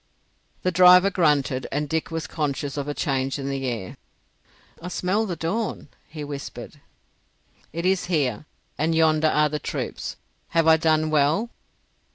The driver grunted, and Dick was conscious of a change in the air. "I smell the dawn," he whispered. "It is here, and yonder are the troops. Have I done well?"